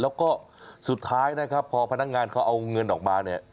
แล้วก็สุดท้ายนะครับพอพนักงานเขาเอาเงินออกมาเนี่ย